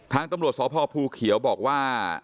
ทางตำรวจสพภูเขียวบอกว่า